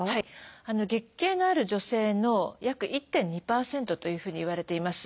月経のある女性の約１．２％というふうにいわれています。